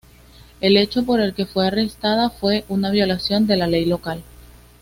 El hecho por el que fue arrestada fue una violación de la ley local.